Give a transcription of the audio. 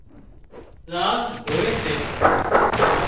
زاز هوئي سي